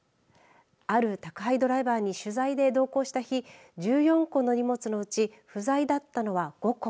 ある宅配ドライバーに取材で同行した日１４個の荷物のうち不在だったのは５個。